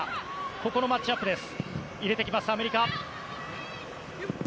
ここのマッチアップです。